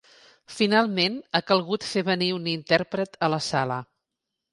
Finalment ha calgut fer venir un intèrpret a la sala.